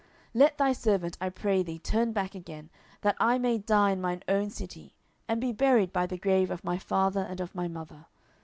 10:019:037 Let thy servant, I pray thee, turn back again, that I may die in mine own city, and be buried by the grave of my father and of my mother.